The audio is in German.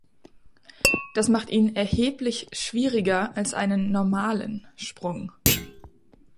Das macht ihn erheblich schwieriger als einen „normalen“ Sprung.